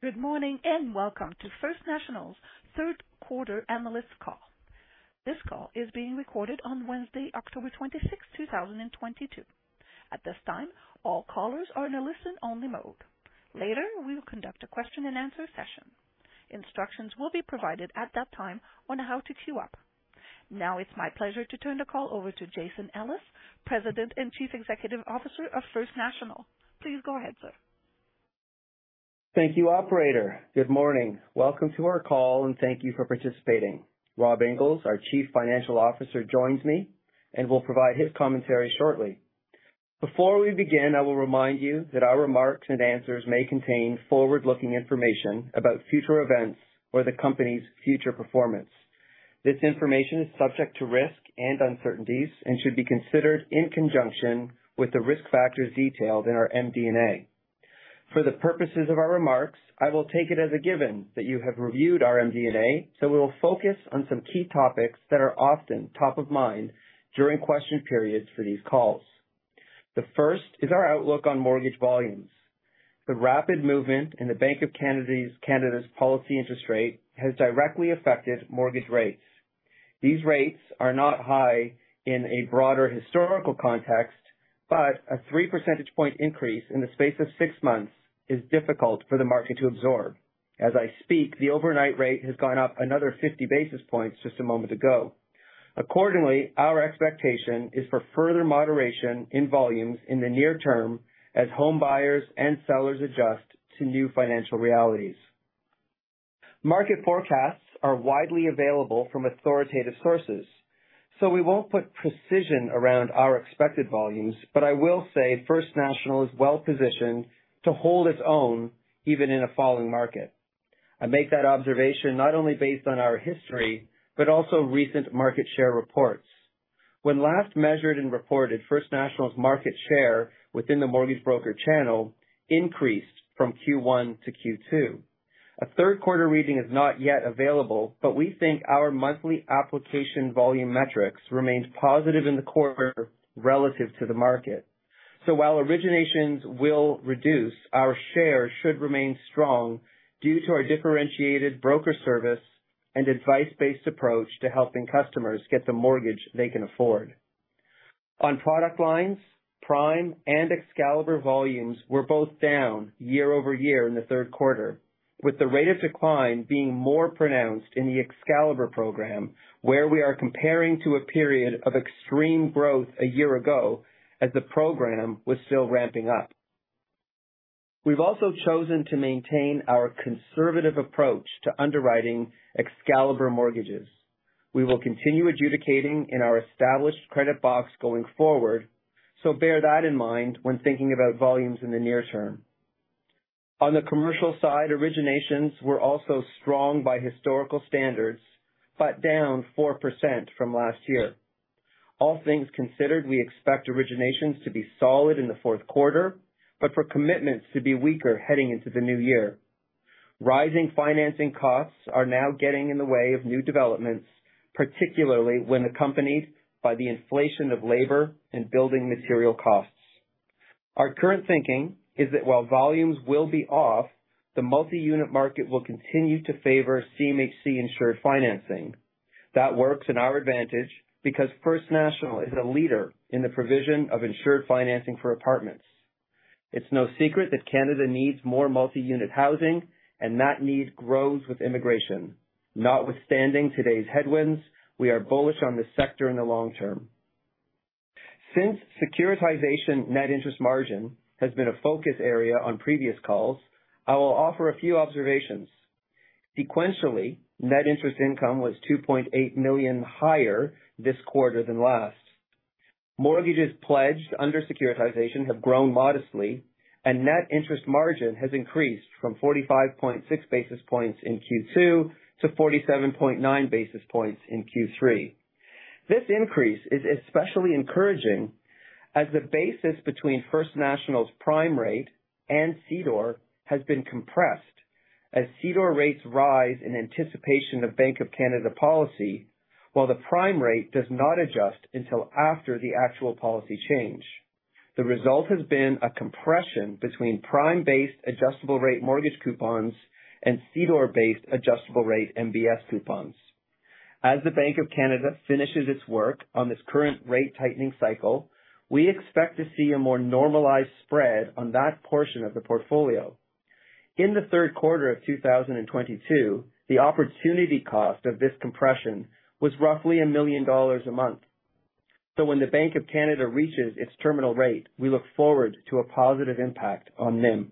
Good morning, and Welcome to First National's third quarter analyst call. This call is being recorded on Wednesday, October 26, 2022. At this time, all callers are in a listen-only mode. Later, we will conduct a question-and-answer session. Instructions will be provided at that time on how to queue up. Now it's my pleasure to turn the call over to Jason Ellis, President and Chief Executive Officer of First National. Please go ahead, sir. Thank you, operator. Good morning. Welcome to our call, and thank you for participating. Rob Inglis, our Chief Financial Officer, joins me and will provide his commentary shortly. Before we begin, I will remind you that our remarks and answers may contain forward-looking information about future events or the company's future performance. This information is subject to risk and uncertainties and should be considered in conjunction with the risk factors detailed in our MD&A. For the purposes of our remarks, I will take it as a given that you have reviewed our MD&A, so we will focus on some key topics that are often top of mind during question periods for these calls. The first is our outlook on mortgage volumes. The rapid movement in the Bank of Canada's policy interest rate has directly affected mortgage rates. These rates are not high in a broader historical context, but a three percentage point increase in the space of six months is difficult for the market to absorb. As I speak, the overnight rate has gone up another 50 basis points just a moment ago. Accordingly, our expectation is for further moderation in volumes in the near term as home buyers and sellers adjust to new financial realities. Market forecasts are widely available from authoritative sources, so we won't put precision around our expected volumes, but I will say First National is well-positioned to hold its own, even in a falling market. I make that observation not only based on our history, but also recent market share reports. When last measured and reported, First National's market share within the mortgage broker channel increased from Q1 to Q2. A third quarter reading is not yet available, but we think our monthly application volume metrics remains positive in the quarter relative to the market. While originations will reduce, our share should remain strong due to our differentiated broker service and advice-based approach to helping customers get the mortgage they can afford. On product lines, Prime and Excalibur volumes were both down year-over-year in the third quarter, with the rate of decline being more pronounced in the Excalibur program, where we are comparing to a period of extreme growth a year ago as the program was still ramping up. We've also chosen to maintain our conservative approach to underwriting Excalibur mortgages. We will continue adjudicating in our established credit box going forward, so bear that in mind when thinking about volumes in the near term. On the commercial side, originations were also strong by historical standards, but down 4% from last year. All things considered, we expect originations to be solid in the fourth quarter, but for commitments to be weaker heading into the new year. Rising financing costs are now getting in the way of new developments, particularly when accompanied by the inflation of labor and building material costs. Our current thinking is that while volumes will be off, the multi-unit market will continue to favor CMHC-insured financing. That works in our advantage because First National is a leader in the provision of insured financing for apartments. It's no secret that Canada needs more multi-unit housing, and that need grows with immigration. Notwithstanding today's headwinds, we are bullish on this sector in the long term. Since securitization net interest margin has been a focus area on previous calls, I will offer a few observations. Sequentially, net interest income was 2.8 million higher this quarter than last. Mortgages pledged under securitization have grown modestly, and net interest margin has increased from 45.6 basis points in Q2 to 47.9 basis points in Q3. This increase is especially encouraging as the basis between First National's prime rate and CDOR has been compressed as CDOR rates rise in anticipation of Bank of Canada policy, while the prime rate does not adjust until after the actual policy change. The result has been a compression between prime-based adjustable-rate mortgage coupons and CDOR-based adjustable rate MBS coupons. As the Bank of Canada finishes its work on this current rate tightening cycle, we expect to see a more normalized spread on that portion of the portfolio. In the third quarter of 2022, the opportunity cost of this compression was roughly 1 million dollars a month. When the Bank of Canada reaches its terminal rate, we look forward to a positive impact on NIM.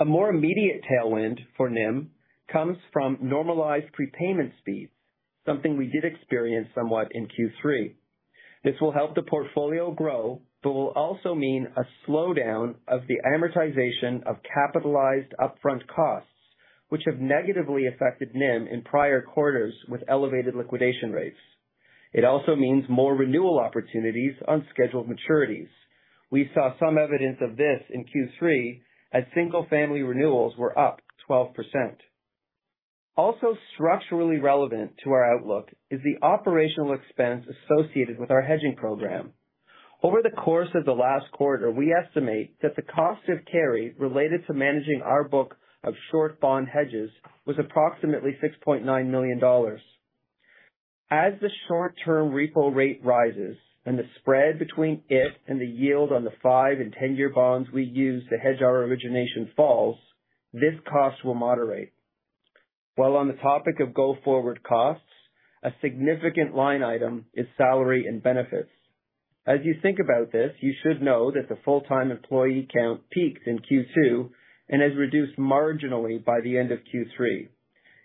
A more immediate tailwind for NIM comes from normalized prepayment speeds, something we did experience somewhat in Q3. This will help the portfolio grow, but will also mean a slowdown of the amortization of capitalized upfront costs, which have negatively affected NIM in prior quarters with elevated liquidation rates. It also means more renewal opportunities on scheduled maturities. We saw some evidence of this in Q3, as single-family renewals were up 12%. Also structurally relevant to our outlook is the operational expense associated with our hedging program. Over the course of the last quarter, we estimate that the cost of carry related to managing our book of short bond hedges was approximately 6.9 million dollars. As the short term repo rate rises and the spread between it and the yield on the 5 and 10-year bonds we use to hedge our origination falls, this cost will moderate. While on the topic of go forward costs, a significant line item is salary and benefits. As you think about this, you should know that the full-time employee count peaked in Q2 and has reduced marginally by the end of Q3.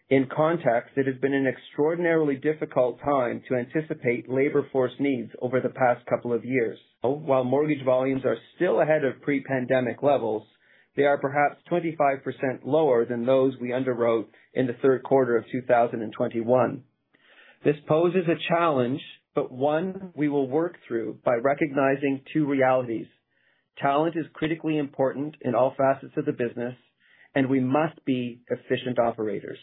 In context, it has been an extraordinarily difficult time to anticipate labor force needs over the past couple of years. While mortgage volumes are still ahead of pre-pandemic levels, they are perhaps 25% lower than those we underwrote in the third quarter of 2021. This poses a challenge, but one we will work through by recognizing two realities. Talent is critically important in all facets of the business, and we must be efficient operators.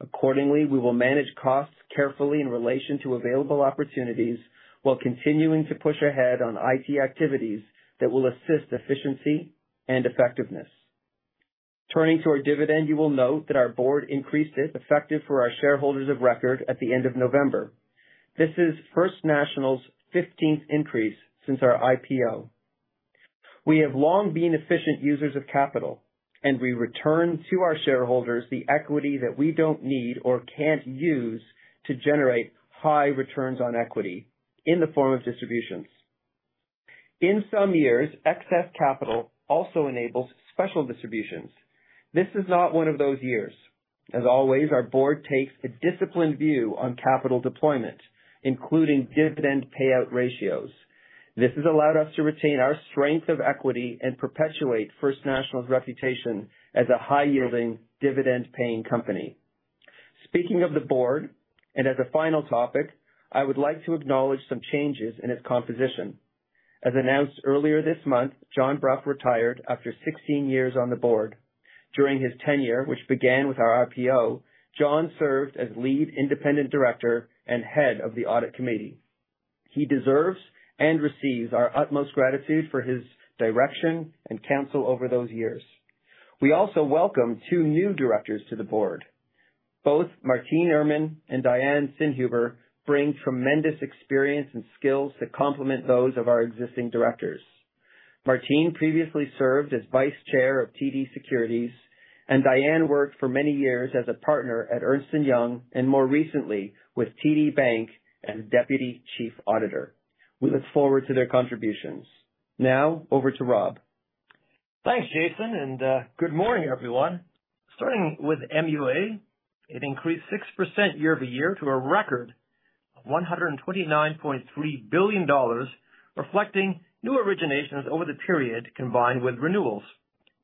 Accordingly, we will manage costs carefully in relation to available opportunities while continuing to push ahead on IT activities that will assist efficiency and effectiveness. Turning to our dividend, you will note that our board increased it effective for our shareholders of record at the end of November. This is First National's 15th increase since our IPO. We have long been efficient users of capital, and we return to our shareholders the equity that we don't need or can't use to generate high returns on equity in the form of distributions. In some years, excess capital also enables special distributions. This is not one of those years. As always, our board takes a disciplined view on capital deployment, including dividend payout ratios. This has allowed us to retain our strength of equity and perpetuate First National's reputation as a high yielding dividend paying company. Speaking of the board, and as a final topic, I would like to acknowledge some changes in its composition. As announced earlier this month, John Brough retired after 16 years on the board. During his tenure, which began with our IPO, John served as Lead Independent Director and Head of the Audit Committee. He deserves and receives our utmost gratitude for his direction and counsel over those years. We also welcome two new directors to the board. Both Martine Irman and Diane Sinhuber bring tremendous experience and skills that complement those of our existing directors. Martine previously served as Vice Chair of TD Securities, and Diane worked for many years as a partner at Ernst & Young and more recently with TD Bank as Deputy Chief Auditor. We look forward to their contributions. Now over to Rob. Thanks, Jason, and good morning, everyone. Starting with MUA, it increased 6% year-over-year to a record 129.3 billion dollars, reflecting new originations over the period combined with renewals.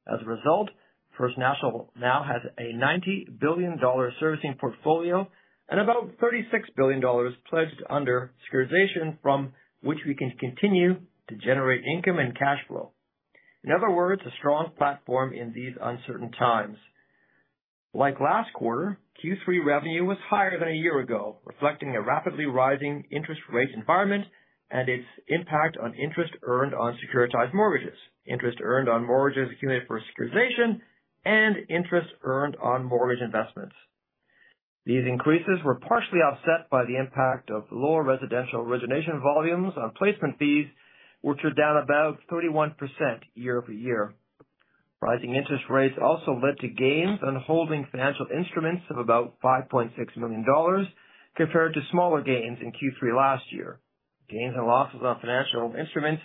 As a result, First National now has a 90 billion dollar servicing portfolio and about 36 billion dollars pledged under securitization from which we can continue to generate income and cash flow. In other words, a strong platform in these uncertain times. Like last quarter, Q3 revenue was higher than a year ago, reflecting a rapidly rising interest rate environment and its impact on interest earned on securitized mortgages, interest earned on mortgages accumulated for securitization, and interest earned on mortgage investments. These increases were partially offset by the impact of lower residential origination volumes on placement fees, which are down about 31% year-over-year. Rising interest rates also led to gains on holding financial instruments of about 5.6 million dollars compared to smaller gains in Q3 last year. Gains and losses on financial instruments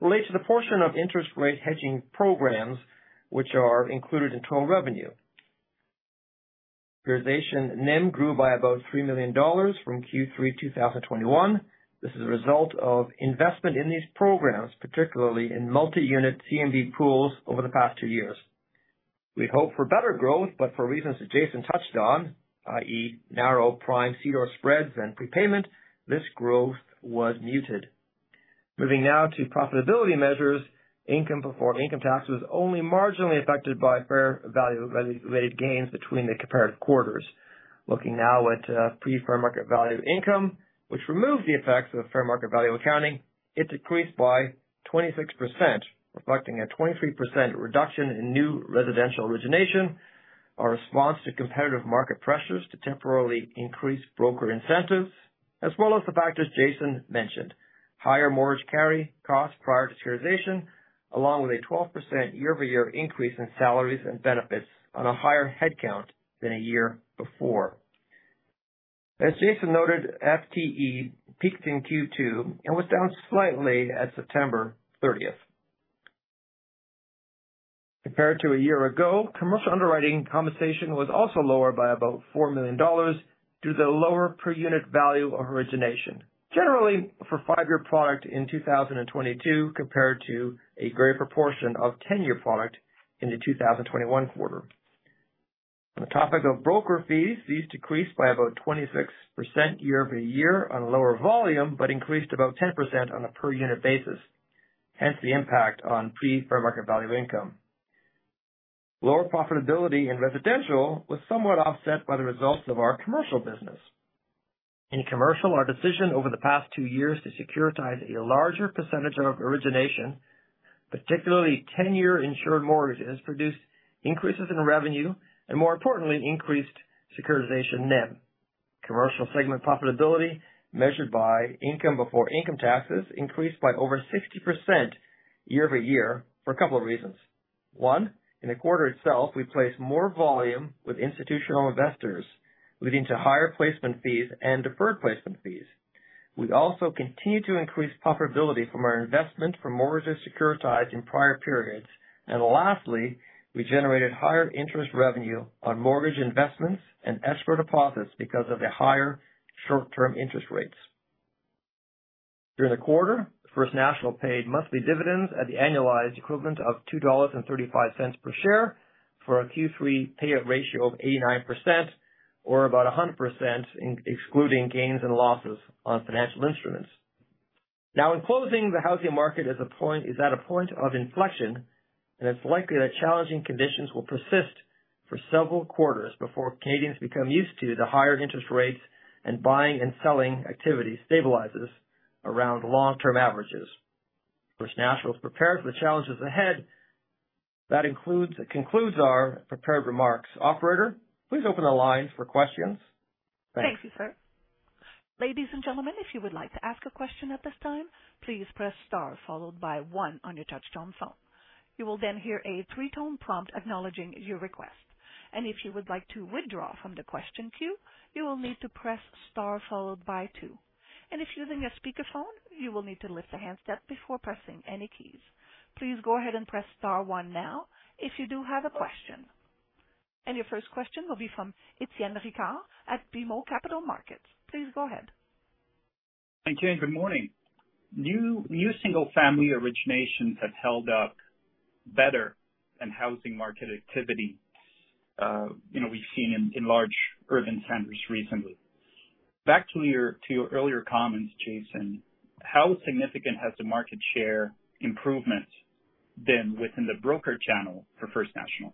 relate to the portion of interest rate hedging programs which are included in total revenue. Securitization NIM grew by about 3 million dollars from Q3 2021. This is a result of investment in these programs, particularly in multi-unit CMB pools over the past two years. We hope for better growth, but for reasons that Jason touched on, i.e., narrow prime CDOR spreads and prepayment, this growth was muted. Moving now to profitability measures. Income before income tax was only marginally affected by fair value related gains between the comparative quarters. Looking now at pre fair market value income, which removes the effects of fair market value accounting, it decreased by 26%, reflecting a 23% reduction in new residential origination, our response to competitive market pressures to temporarily increase broker incentives, as well as the factors Jason mentioned, higher mortgage carry costs prior to securitization, along with a 12% year-over-year increase in salaries and benefits on a higher headcount than a year before. As Jason noted, FTE peaked in Q2 and was down slightly at September thirtieth. Compared to a year ago, commercial underwriting compensation was also lower by about 4 million dollars due to the lower per unit value of origination, generally for five-year product in 2022 compared to a greater proportion of ten-year product in the 2021 quarter. On the topic of broker fees, these decreased by about 26% year-over-year on lower volume but increased about 10% on a per unit basis. Hence the impact on pre fair market value income. Lower profitability in residential was somewhat offset by the results of our commercial business. In commercial, our decision over the past two years to securitize a larger percentage of origination, particularly 10-year insured mortgages, has produced increases in revenue and more importantly, increased securitization NIM. Commercial segment profitability measured by income before income taxes increased by over 60% year-over-year for a couple of reasons. One, in the quarter itself, we placed more volume with institutional investors, leading to higher placement fees and deferred placement fees. We also continued to increase profitability from our investment from mortgages securitized in prior periods. Lastly, we generated higher interest revenue on mortgage investments and escrow deposits because of the higher short-term interest rates. During the quarter, First National paid monthly dividends at the annualized equivalent of 2.35 dollars per share for a Q3 payout ratio of 89% or about 100% when excluding gains and losses on financial instruments. Now, in closing, the housing market is at a point of inflection, and it's likely that challenging conditions will persist for several quarters before Canadians become used to the higher interest rates and buying and selling activity stabilizes around long-term averages. First National is prepared for the challenges ahead. That concludes our prepared remarks. Operator, please open the line for questions. Thanks. Thank you, sir. Ladies and gentlemen, if you would like to ask a question at this time, please press star followed by one on your touchtone phone. You will then hear a three-tone prompt acknowledging your request. If you would like to withdraw from the question queue, you will need to press star followed by two. If using a speaker phone, you will need to lift the handset before pressing any keys. Please go ahead and press star one now if you do have a question. Your first question will be from Étienne Ricard at BMO Capital Markets. Please go ahead. Thank you and good morning. New single-family originations have held up better than housing market activity, you know, we've seen in large urban centers recently. Back to your earlier comments, Jason, how significant has the market share improvement been within the broker channel for First National?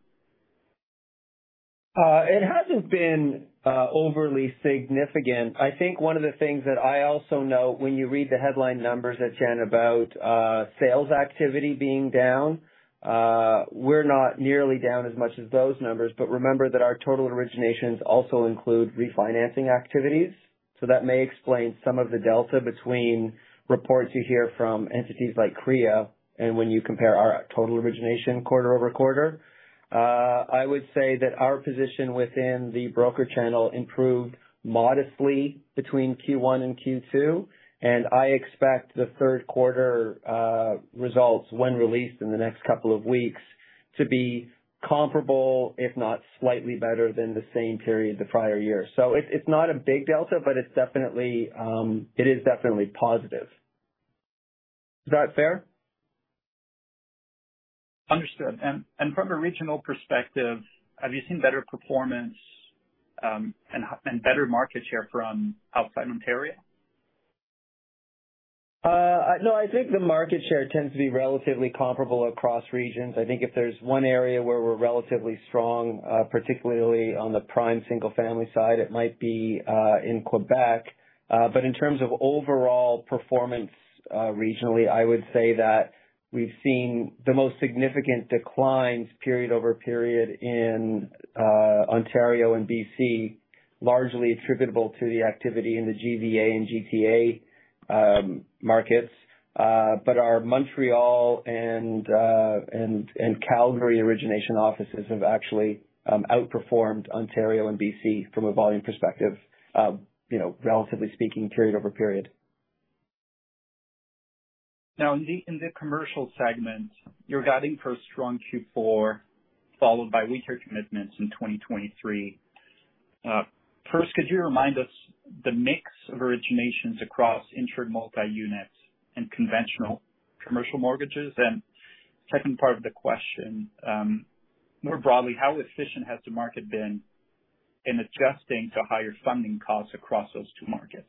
It hasn't been overly significant. I think one of the things that I also note when you read the headline numbers, Étienne, about sales activity being down, we're not nearly down as much as those numbers. Remember that our total originations also include refinancing activities. That may explain some of the delta between reports you hear from entities like CREA and when you compare our total origination quarter-over-quarter. I would say that our position within the broker channel improved modestly between Q1 and Q2, and I expect the third quarter results, when released in the next couple of weeks, to be comparable if not slightly better than the same period the prior year. It's not a big delta, but it's definitely, it is definitely positive. Is that fair? Understood. From a regional perspective, have you seen better performance, and better market share from outside Ontario? No, I think the market share tends to be relatively comparable across regions. I think if there's one area where we're relatively strong, particularly on the prime single-family side, it might be in Quebec. But in terms of overall performance, regionally, I would say that we've seen the most significant declines period over period in Ontario and BC, largely attributable to the activity in the GVA and GTA markets. But our Montreal and Calgary origination offices have actually outperformed Ontario and BC from a volume perspective, you know, relatively speaking, period over period. Now, in the commercial segment, you're guiding for a strong Q4 followed by weaker commitments in 2023. First, could you remind us the mix of originations across insured multi-units and conventional commercial mortgages? Second part of the question, more broadly, how efficient has the market been in adjusting to higher funding costs across those two markets?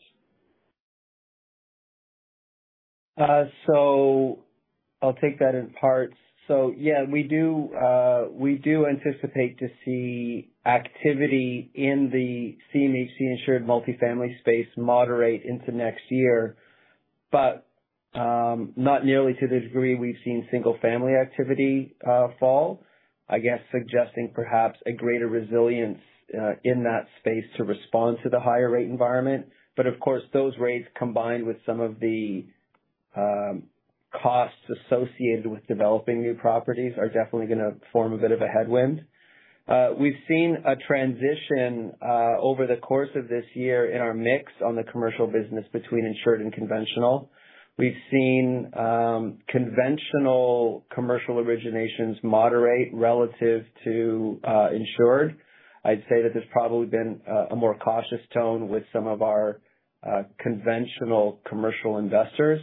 I'll take that in parts. Yeah, we do anticipate to see activity in the CMHC insured multifamily space moderate into next year, but not nearly to the degree we've seen single-family activity fall. I guess suggesting perhaps a greater resilience in that space to respond to the higher rate environment. Of course, those rates, combined with some of the costs associated with developing new properties, are definitely gonna form a bit of a headwind. We've seen a transition over the course of this year in our mix on the commercial business between insured and conventional. We've seen conventional commercial originations moderate relative to insured. I'd say that there's probably been a more cautious tone with some of our conventional commercial investors.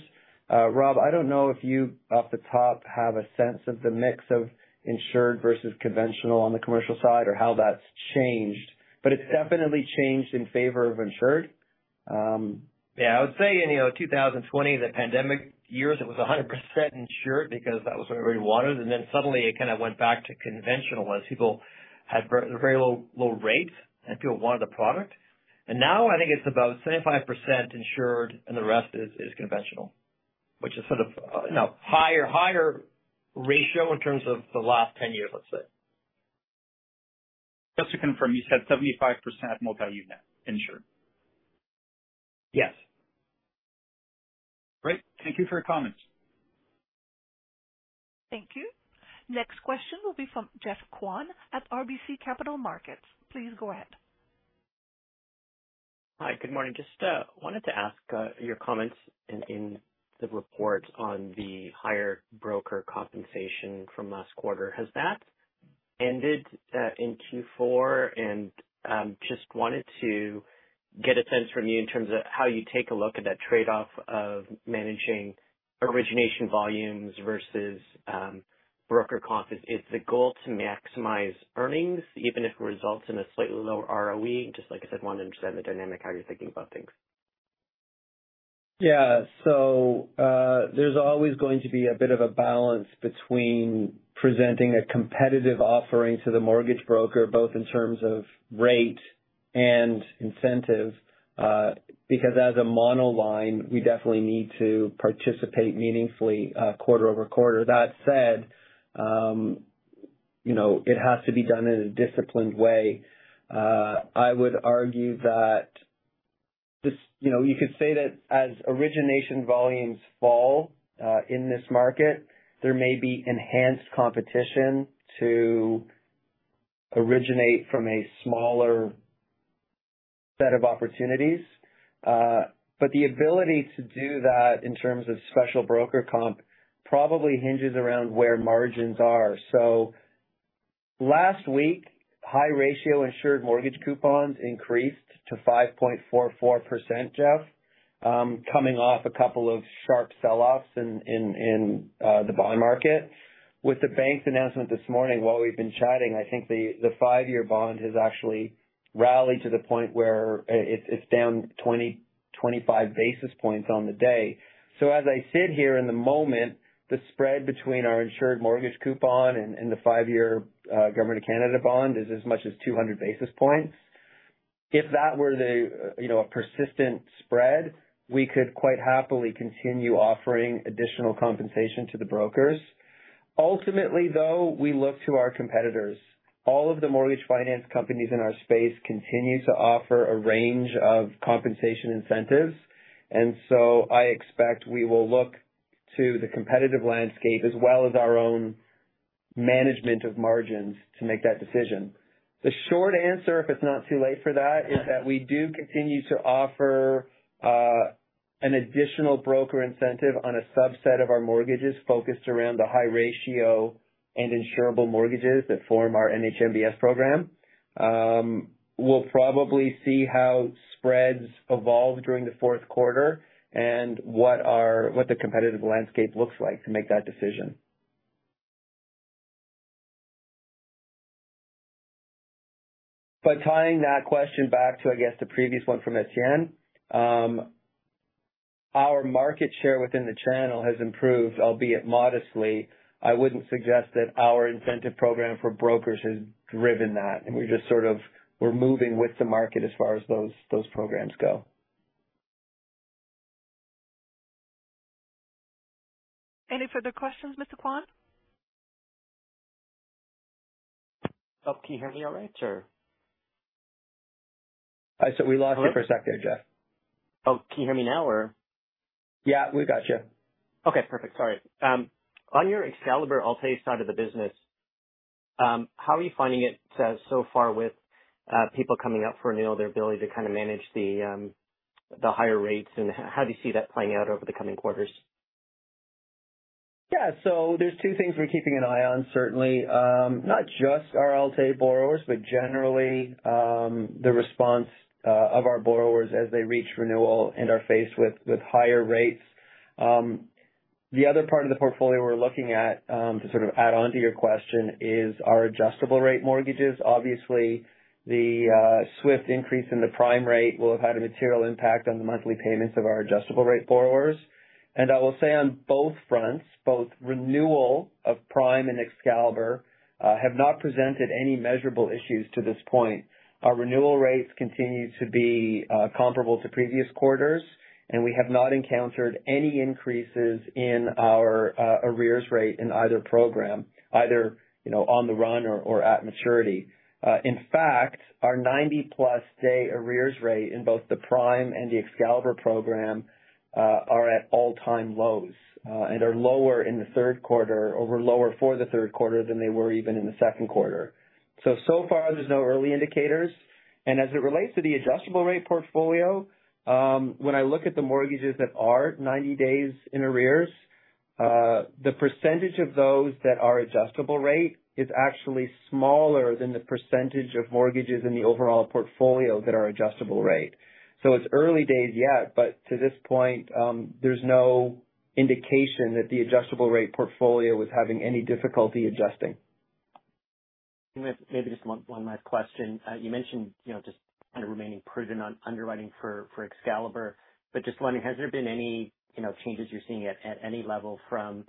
Rob, I don't know if you off the top have a sense of the mix of insured versus conventional on the commercial side or how that's changed, but it's definitely changed in favor of insured. Yeah, I would say in, you know, 2020, the pandemic years, it was 100% insured because that was what everybody wanted. Suddenly it kind of went back to conventional as people had very low rates and people wanted the product. Now I think it's about 75% insured and the rest is conventional, which is sort of, you know, higher ratio in terms of the last 10 years, let's say. Just to confirm, you said 75% multi-unit insured. Yes. Great. Thank you for your comments. Thank you. Next question will be from Geoff Kwan at RBC Capital Markets. Please go ahead. Hi, good morning. Just wanted to ask your comments in the report on the higher broker compensation from last quarter. Has that ended in Q4? Just wanted to get a sense from you in terms of how you take a look at that trade-off of managing origination volumes versus broker comp. Is the goal to maximize earnings even if it results in a slightly lower ROE? Just like I said, wanted to understand the dynamic, how you're thinking about things. Yeah. There's always going to be a bit of a balance between presenting a competitive offering to the mortgage broker, both in terms of rate and incentive, because as a monoline, we definitely need to participate meaningfully, quarter-over-quarter. That said, you know, it has to be done in a disciplined way. I would argue that just, you know, you could say that as origination volumes fall in this market, there may be enhanced competition to originate from a smaller set of opportunities. The ability to do that in terms of special broker comp probably hinges around where margins are. Last week, high ratio insured mortgage coupons increased to 5.44%, Geoff, coming off a couple of sharp selloffs in the bond market. With the bank's announcement this morning while we've been chatting, I think the five-year bond has actually rallied to the point where it's down 20-25 basis points on the day. As I sit here in the moment, the spread between our insured mortgage coupon and the five-year Government of Canada bond is as much as 200 basis points. If that were, you know, a persistent spread, we could quite happily continue offering additional compensation to the brokers. Ultimately, though, we look to our competitors. All of the mortgage finance companies in our space continue to offer a range of compensation incentives, and so I expect we will look to the competitive landscape as well as our own management of margins to make that decision. The short answer, if it's not too late for that, is that we do continue to offer an additional broker incentive on a subset of our mortgages focused around the high ratio and insurable mortgages that form our NHMBS program. We'll probably see how spreads evolve during the fourth quarter and what the competitive landscape looks like to make that decision. Tying that question back to, I guess, the previous one from Étienne, our market share within the channel has improved, albeit modestly. I wouldn't suggest that our incentive program for brokers has driven that. We're just sort of; we're moving with the market as far as those programs go. Any further questions, Mr. Kwan? Oh, can you hear me all right or? I said we lost you for a second, Geoff. Oh, can you hear me now or? Yeah, we got you. Okay, perfect. Sorry. On your Excalibur Alt-A side of the business, how are you finding it so far with people coming up for renewal, their ability to kind of manage the higher rates, and how do you see that playing out over the coming quarters? Yeah. So, there's two things we're keeping an eye on, certainly, not just our Alt-A borrowers, but generally, the response of our borrowers as they reach renewal and are faced with higher rates. The other part of the portfolio we're looking at, to sort of add on to your question, is our adjustable-rate mortgages. Obviously, the swift increase in the prime rate will have had a material impact on the monthly payments of our adjustable-rate borrowers. I will say on both fronts, both renewal of Prime and Excalibur, have not presented any measurable issues to this point. Our renewal rates continue to be comparable to previous quarters, and we have not encountered any increases in our arrears rate in either program, you know, on the run or at maturity. In fact, our 90 plus day arrears rate in both the Prime and the Excalibur program are at all-time lows, and are lower in the third quarter, or were lower for the third quarter than they were even in the second quarter. So far, there's no early indicators. As it relates to the adjustable-rate portfolio, when I look at the mortgages that are 90 days in arrears, the percentage of those that are adjustable rate is actually smaller than the percentage of mortgages in the overall portfolio that are adjustable rate. It's early days yet, but to this point, there's no indication that the adjustable-rate portfolio was having any difficulty adjusting. Maybe just one last question. You mentioned, you know, just kind of remaining prudent on underwriting for Excalibur, but just wondering, has there been any, you know, changes you're seeing at any level from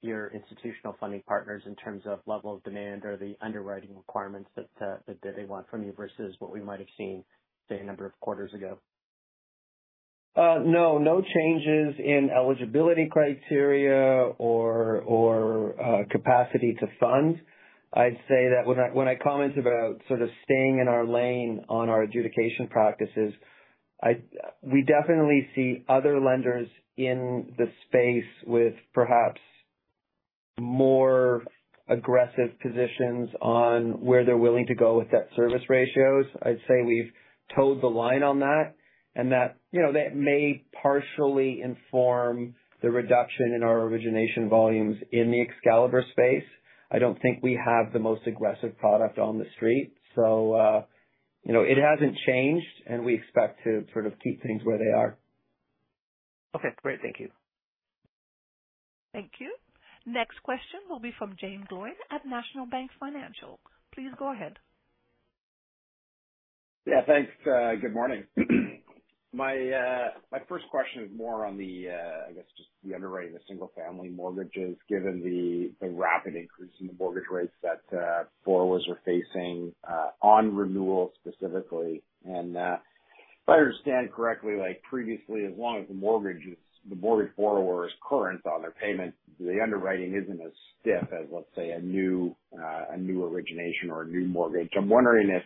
your institutional funding partners in terms of level of demand or the underwriting requirements that they want from you versus what we might have seen, say, a number of quarters ago? No. No changes in eligibility criteria or capacity to fund. I'd say that when I comment about sort of staying in our lane on our adjudication practices, we definitely see other lenders in the space with perhaps more aggressive positions on where they're willing to go with debt service ratios. I'd say we've toed the line on that and that, you know, that may partially inform the reduction in our origination volumes in the Excalibur space. I don't think we have the most aggressive product on the street. You know, it hasn't changed and we expect to sort of keep things where they are. Okay, great. Thank you. Thank you. Next question will be from Jaeme Gloyn at National Bank Financial. Please go ahead. Yeah, thanks. Good morning. My first question is more on the, I guess just the underwriting of single family mortgages, given the rapid increase in the mortgage rates that borrowers are facing on renewal specifically. If I understand correctly, like previously, as long as the mortgage borrower is current on their payment, the underwriting isn't as stiff as, let's say, a new origination or a new mortgage. I'm wondering if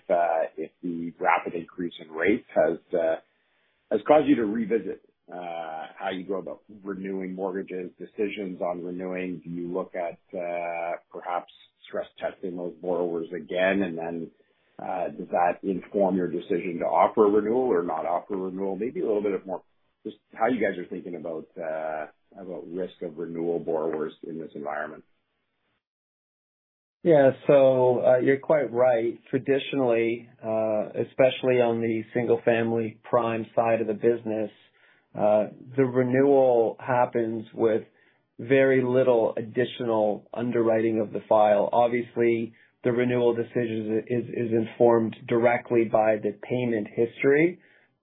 the rapid increase in rates has caused you to revisit how you go about renewing mortgages, decisions on renewing. Do you look at perhaps stress testing those borrowers again, and then does that inform your decision to offer a renewal or not offer a renewal? Maybe a little bit of more just how you guys are thinking about risk of renewal borrowers in this environment? Yeah. You're quite right. Traditionally, especially on the single family prime side of the business, the renewal happens with very little additional underwriting of the file. Obviously, the renewal decision is informed directly by the payment history.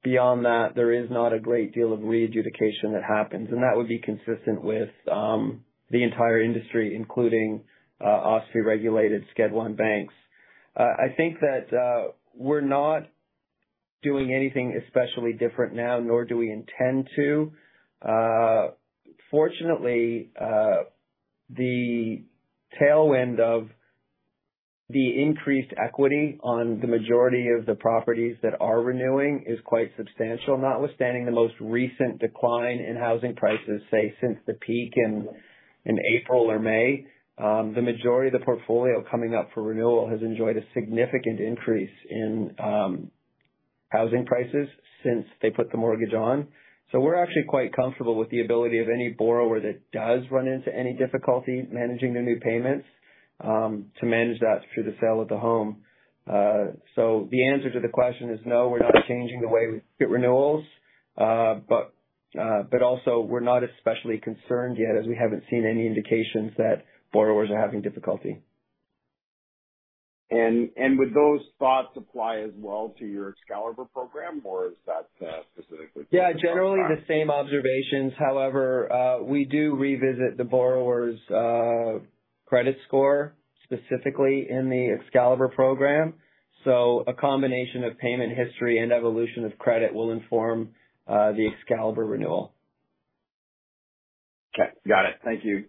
Beyond that, there is not a great deal of readjudication that happens, and that would be consistent with the entire industry, including OSFI-regulated Schedule I banks. I think that we're not doing anything especially different now, nor do we intend to. Fortunately, the tailwind of the increased equity on the majority of the properties that are renewing is quite substantial. Notwithstanding the most recent decline in housing prices, say since the peak in April or May, the majority of the portfolio coming up for renewal has enjoyed a significant increase in housing prices since they put the mortgage on. We're actually quite comfortable with the ability of any borrower that does run into any difficulty managing the new payments, to manage that through the sale of the home. The answer to the question is no, we're not changing the way we fit renewals. Also, we're not especially concerned yet as we haven't seen any indications that borrowers are having difficulty. Would those thoughts apply as well to your Excalibur program, or is that specifically? Yeah. Generally the same observations. However, we do revisit the borrower's credit score, specifically in the Excalibur program. A combination of payment history and evolution of credit will inform the Excalibur renewal. Okay, got it. Thank you.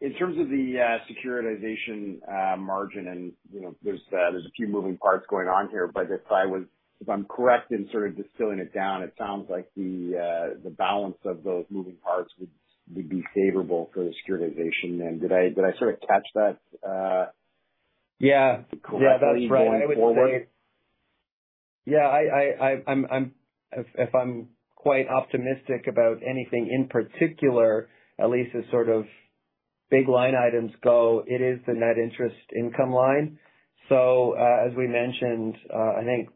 In terms of the securitization margin and, you know, there's a few moving parts going on here, but if I'm correct in sort of distilling it down, it sounds like the balance of those moving parts would be favorable for the securitization then. Did I sort of catch that? Yeah. Correctly going forward? Yeah, that's right. I would say yeah. If I'm quite optimistic about anything in particular, at least as sort of big line items go, it is the net interest income line. As we mentioned, I think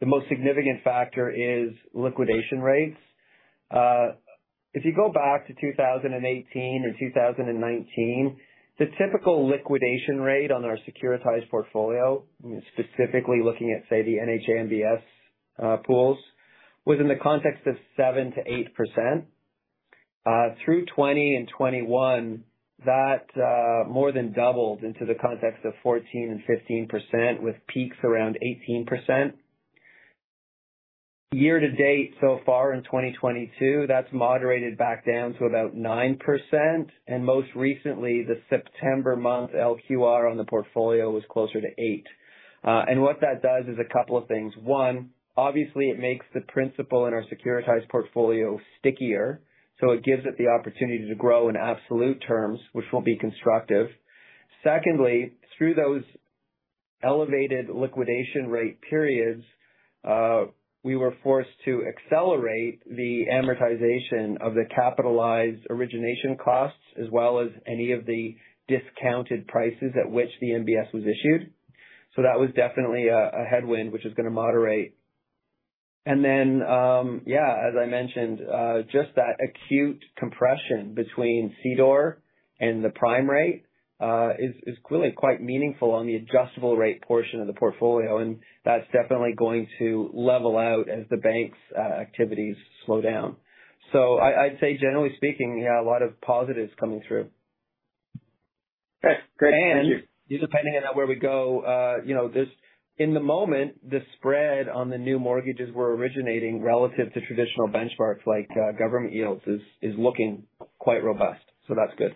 the most significant factor is liquidation rates. If you go back to 2018 or 2019, the typical liquidation rate on our securitized portfolio, specifically looking at, say, the NHMBS pools, was in the context of 7%-8%. Through 2020 and 2021, that more than doubled into the context of 14%-15% with peaks around 18%. Year to date so far in 2022, that's moderated back down to about 9%. Most recently, the September month LQR on the portfolio was closer to 8%. What that does is a couple of things. One, obviously it makes the principal in our securitized portfolio stickier, so it gives it the opportunity to grow in absolute terms, which will be constructive. Secondly, through those elevated liquidation rate periods, we were forced to accelerate the amortization of the capitalized origination costs, as well as any of the discounted prices at which the MBS was issued. That was definitely a headwind, which is gonna moderate. Yeah, as I mentioned, just that acute compression between CDOR and the prime rate is really quite meaningful on the adjustable-rate portion of the portfolio, and that's definitely going to level out as the bank's activities slow down. I'd say generally speaking, you have a lot of positives coming through. Okay, great. Thank you. Just depending on where we go, you know, this in the moment, the spread on the new mortgages we're originating relative to traditional benchmarks like government yields is looking quite robust, so that's good.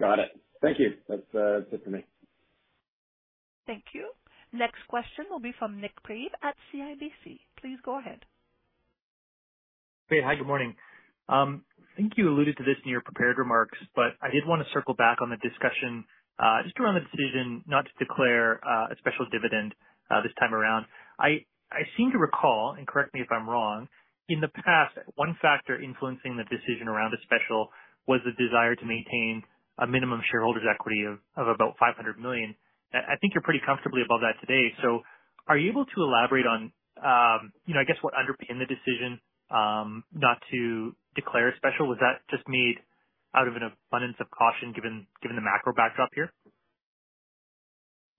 Got it. Thank you. That's it for me. Thank you. Next question will be from Nik Priebe at CIBC. Please go ahead. Priebe, hi. Good morning. I think you alluded to this in your prepared remarks, but I did want to circle back on the discussion just around the decision not to declare a special dividend this time around. I seem to recall, and correct me if I'm wrong, in the past, one factor influencing the decision around a special was the desire to maintain a minimum shareholders equity of about 500 million. I think you're pretty comfortably above that today. So are you able to elaborate on, you know, I guess what underpinned the decision not to declare a special? Was that just made out of an abundance of caution given the macro backdrop here?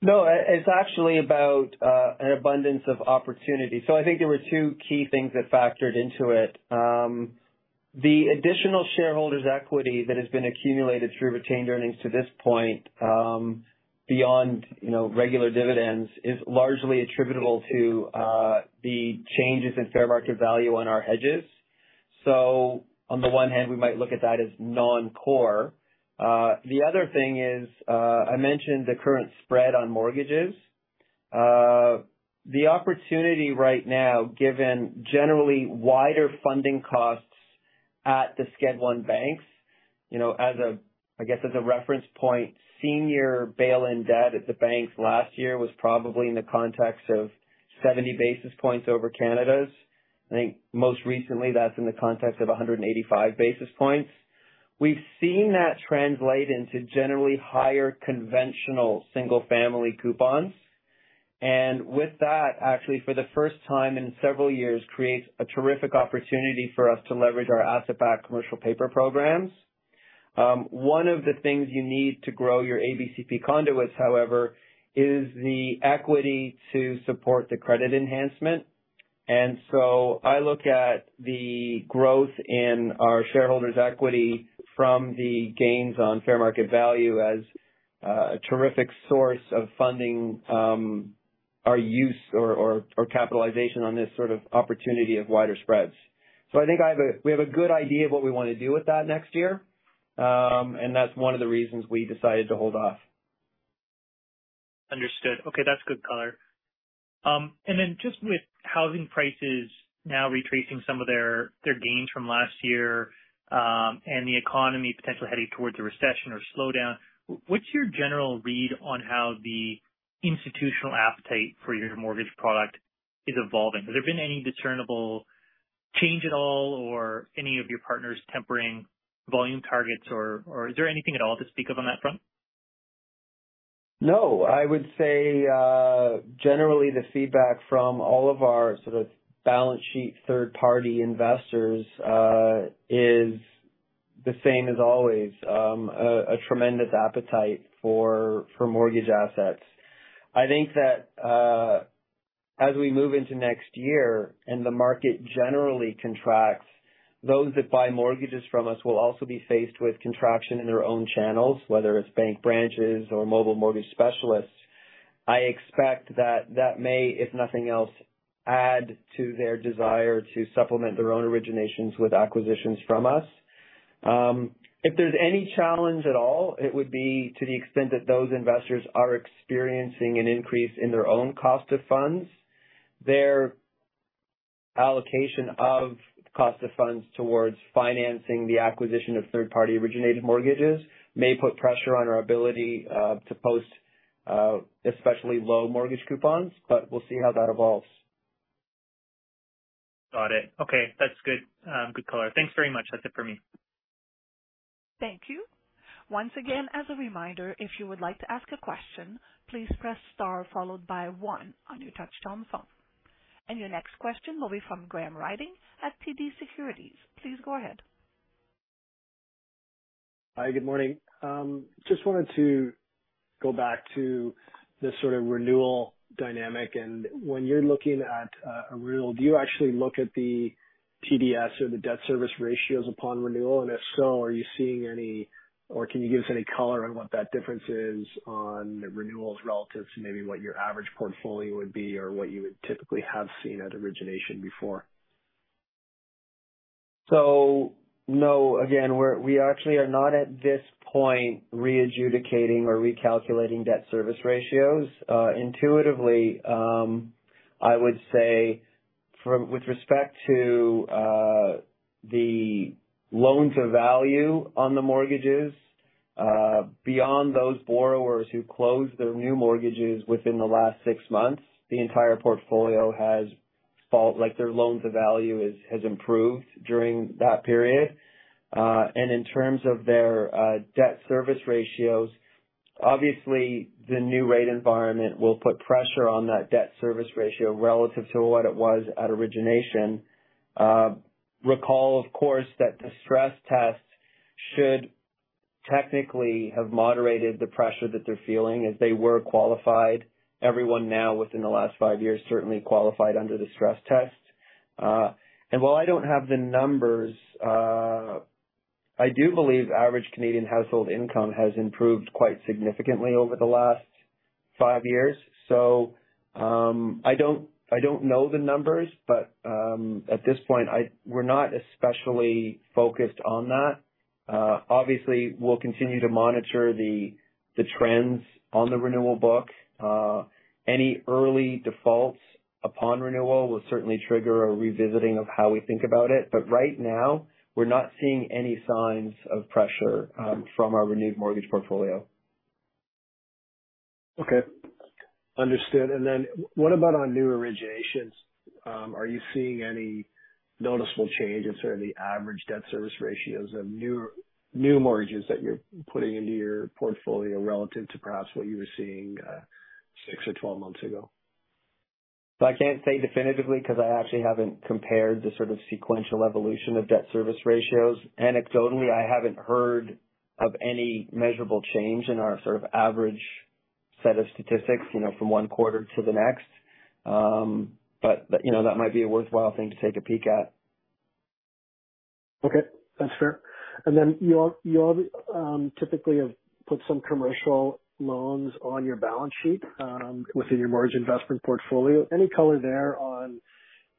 No, it's actually about an abundance of opportunity. I think there were two key things that factored into it. The additional shareholders equity that has been accumulated through retained earnings to this point beyond you know, regular dividends, is largely attributable to the changes in fair market value on our hedges. On the one hand, we might look at that as non-core. The other thing is, I mentioned the current spread on mortgages. The opportunity right now, given generally wider funding costs at the Schedule I banks, you know, as, I guess, a reference point, senior bail-in debt at the banks last year was probably in the context of 70 basis points over CDOR. I think most recently that's in the context of 185 basis points. We've seen that translate into generally higher conventional single-family coupons, and with that, actually for the first time in several years, creates a terrific opportunity for us to leverage our asset-backed commercial paper programs. One of the things you need to grow your ABCP conduits, however, is the equity to support the credit enhancement. I look at the growth in our shareholders' equity from the gains on fair market value as a terrific source of funding, or use or capitalization on this sort of opportunity of wider spreads. I think we have a good idea of what we wanna do with that next year, and that's one of the reasons we decided to hold off. Understood. Okay. That's good color. Just with housing prices now retracing some of their gains from last year, and the economy potentially heading towards a recession or slowdown, what's your general read on how the institutional appetite for your mortgage product is evolving? Has there been any discernible change at all or any of your partners tempering volume targets, or is there anything at all to speak of on that front? No. I would say generally the feedback from all of our sort of balance sheet third party investors is the same as always, a tremendous appetite for mortgage assets. I think that as we move into next year and the market generally contracts, those that buy mortgages from us will also be faced with contraction in their own channels, whether it's bank branches or mobile mortgage specialists. I expect that may, if nothing else, add to their desire to supplement their own originations with acquisitions from us. If there's any challenge at all, it would be to the extent that those investors are experiencing an increase in their own cost of funds. Their allocation of cost of funds towards financing the acquisition of third-party originated mortgages may put pressure on our ability to post especially low mortgage coupons, but we'll see how that evolves. Got it. Okay. That's good color. Thanks very much. That's it for me. Thank you. Once again, as a reminder, if you would like to ask a question, please press star followed by one on your touchtone phone. Your next question will be from Graham Ryding at TD Securities. Please go ahead. Hi, good morning. Just wanted to go back to the sort of renewal dynamic. When you're looking at a renewal, do you actually look at the TDS or the debt service ratios upon renewal? If so, are you seeing any or can you give us any color on what that difference is on renewals relative to maybe what your average portfolio would be or what you would typically have seen at origination before? No. Again, we actually are not at this point re-adjudicating or recalculating debt service ratios. Intuitively, I would say with respect to the loan to value on the mortgages, beyond those borrowers who closed their new mortgages within the last six months, the entire portfolio has, like, their loan to value has improved during that period. In terms of their debt service ratios, obviously the new rate environment will put pressure on that debt service ratio relative to what it was at origination. Recall of course that the stress test should technically have moderated the pressure that they're feeling if they were qualified. Everyone now within the last five years certainly qualified under the stress test. While I don't have the numbers, I do believe average Canadian household income has improved quite significantly over the last five years. I don't know the numbers, but at this point we're not especially focused on that. Obviously we'll continue to monitor the trends on the renewal book. Any early defaults upon renewal will certainly trigger a revisiting of how we think about it, but right now, we're not seeing any signs of pressure from our renewed mortgage portfolio. Okay. Understood. What about on new originations? Are you seeing any noticeable change in sort of the average debt service ratios of new mortgages that you're putting into your portfolio relative to perhaps what you were seeing six or 12 months ago? I can't say definitively because I actually haven't compared the sort of sequential evolution of debt service ratios. Anecdotally, I haven't heard of any measurable change in our sort of average set of statistics, you know, from one quarter to the next. But, you know, that might be a worthwhile thing to take a peek at. Okay. That's fair. You all typically have put some commercial loans on your balance sheet within your mortgage investment portfolio. Any color there.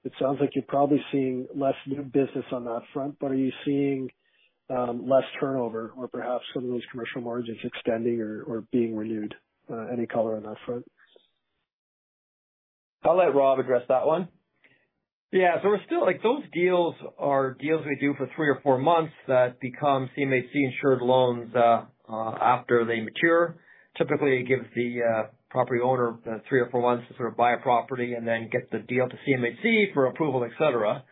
It sounds like you're probably seeing less new business on that front, but are you seeing less turnover or perhaps some of those commercial mortgages extending or being renewed? Any color on that front? I'll let Rob address that one. Yeah. We're still like those deals are deals we do for three or four months that become CMHC insured loans after they mature. Typically, it gives the property owner the three or four months to sort of buy a property and then get the deal to CMHC for approval, et cetera.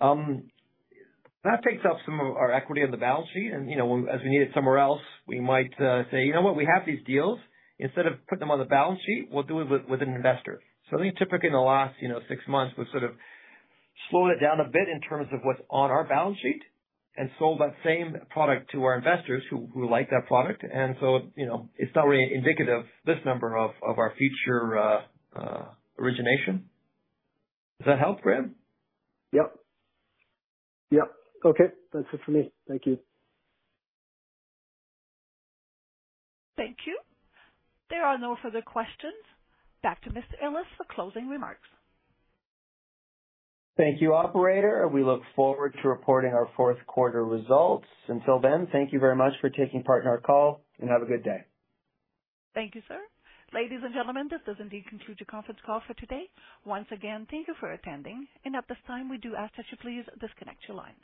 That takes up some of our equity on the balance sheet. You know, as we need it somewhere else, we might say, "You know what? We have these deals. Instead of putting them on the balance sheet, we'll do it with an investor." I think typically in the last, you know, six months, we've sort of slowed it down a bit in terms of what's on our balance sheet and sold that same product to our investors who like that product. You know, it's not really indicative this number of our future origination. Does that help, Graham? Yep. Yep. Okay. That's it for me. Thank you. Thank you. There are no further questions. Back to Mr. Ellis for closing remarks. Thank you, operator. We look forward to reporting our fourth quarter results. Until then, thank you very much for taking part in our call, and have a good day. Thank you, sir. Ladies and gentlemen, this does indeed conclude your conference call for today. Once again, thank you for attending, and at this time, we do ask that you please disconnect your lines.